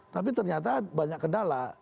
tapi ternyata banyak kendala